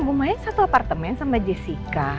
bu maya satu apartemen sama jessica